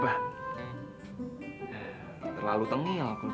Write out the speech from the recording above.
hai terlalu serius